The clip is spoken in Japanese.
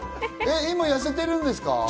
今、やせてるんですか？